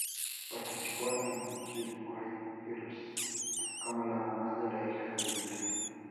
Participó en Gilmore Girls, como la mamá de la hija de Luke.